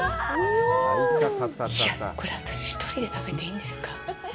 これ、私１人で食べていいんですか？